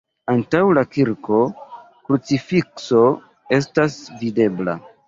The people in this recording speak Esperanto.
Antaŭ la kirko krucifikso estas videbla.